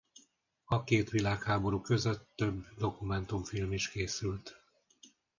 A két világháború között több dokumentumfilm is készült.